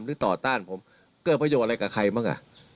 ต่อต้านผมเกิดประโยชน์อะไรกับใครบ้าง